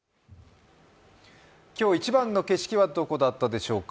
今日一番の景色はどこだったでしょうか。